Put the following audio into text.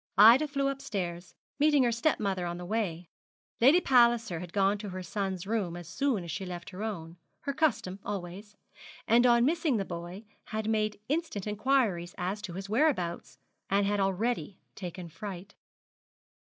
Ida flew upstairs, meeting her step mother on the way. Lady Palliser had gone to her son's room as soon as she left her own her custom always; and on missing the boy, had made instant inquiries as to his whereabouts, and had already taken fright.